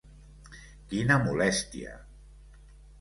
Quina molèstia!